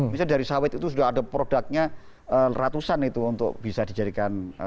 misalnya dari sawit itu sudah ada produknya ratusan itu untuk bisa dijadikan